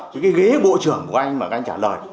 những cái ghế bộ trưởng của anh mà các anh trả lời